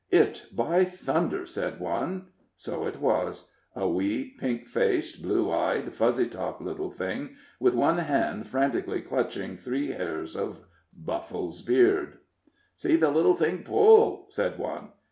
"It, by thunder," said one. So it was; a wee, pink faced, blue eyed, fuzzy topped little thing, with one hand frantically clutching three hairs of Buflle's beard. "See the little thing pull," said one.